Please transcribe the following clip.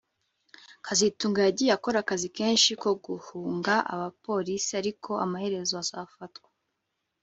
kazitunga yagiye akora akazi keza ko guhunga abapolisi ariko amaherezo azafatwa